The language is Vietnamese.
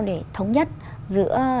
để thống nhất giữa